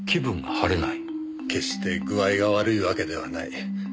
決して具合が悪いわけではない。